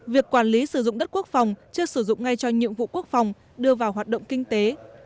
việc quản lý sử dụng đất quốc phòng chưa sử dụng ngay cho nhiệm vụ quốc phòng đưa vào hoạt động kinh tế